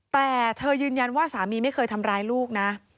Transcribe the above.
แต่เธอยืนยันว่าสามีไม่เคยทำร้ายลูกนะ